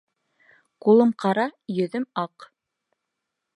Ҡулым ҡара, йөҙөм аҡ.